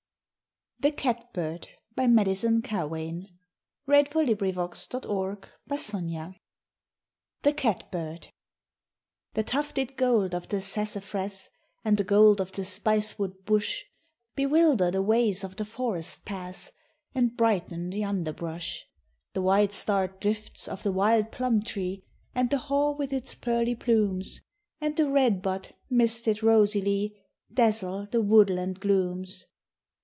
to the knowledge, that is kin To Heaven, to which at last we win. THE CAT BIRD I The tufted gold of the sassafras, And the gold of the spicewood bush, Bewilder the ways of the forest pass, And brighten the underbrush: The white starred drifts of the wild plum tree, And the haw with its pearly plumes, And the redbud, misted rosily, Dazzle the woodland glooms.